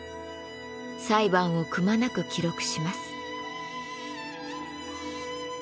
裁判をくまなく記録します。